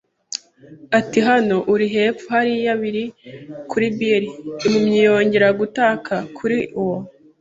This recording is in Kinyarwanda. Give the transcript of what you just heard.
Ati: “Hano, uri hepfo hariya, biri kuri Bill?” impumyi yongera gutaka. Kuri uwo